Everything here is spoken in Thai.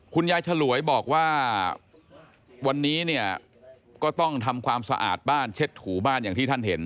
ฉลวยบอกว่าวันนี้เนี่ยก็ต้องทำความสะอาดบ้านเช็ดถูบ้านอย่างที่ท่านเห็น